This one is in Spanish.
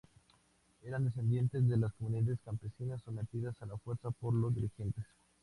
Eran descendientes de las comunidades campesinas sometidas a la fuerza por los dirigentes.